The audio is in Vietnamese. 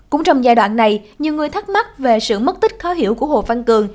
cũng trong giai đoạn này nhiều người thắc mắc về sự mất tích khó hiểu của hồ văn cường